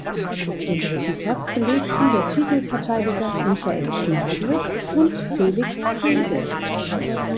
Den dritten Platz belegten der Titelverteidiger Michael Schnabel und Felix Frede.